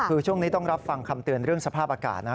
คือช่วงนี้ต้องรับฟังคำเตือนเรื่องสภาพอากาศนะ